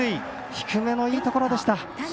低めのいいところでした。